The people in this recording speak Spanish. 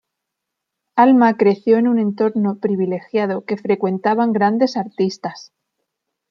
Alma creció en un entorno privilegiado que frecuentaban grandes artistas.